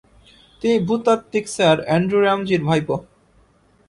তিনি ভূতাত্ত্বিক sir Andrew র্যামজির ভাইপো।